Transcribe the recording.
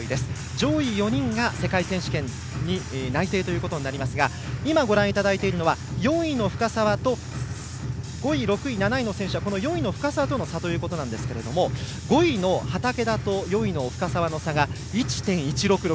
上位４人が世界選手権に内定となりますが今、ご覧いただいているのは５位、６位、７位の選手は４位の深沢との差ということですが５位の畠田と４位の深沢の差が１．１６６。